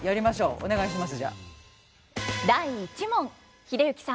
お願いします。